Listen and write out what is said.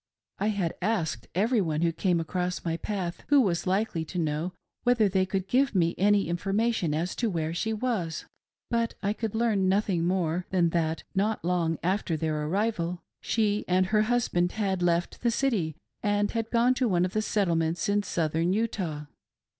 I had asked every one who came across my path, who was likely to know, whether they could give me any information as to where she was ; but I could learn nothing more than that, not long after their arrival, she and her husband had left the city and had gone to one of the Settlements in Southern Utah.